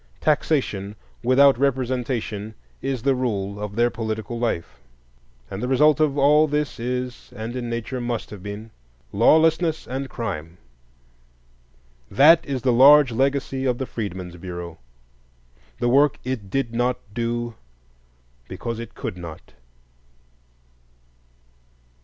Taxation without representation is the rule of their political life. And the result of all this is, and in nature must have been, lawlessness and crime. That is the large legacy of the Freedmen's Bureau, the work it did not do because it could not.